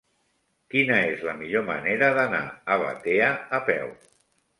Quina és la millor manera d'anar a Batea a peu?